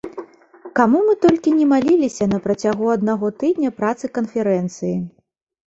Каму мы толькі не маліліся на працягу аднаго тыдня працы канферэнцыі!